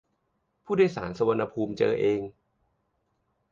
ผู้โดยสารสุวรรณภูมิเจอเอง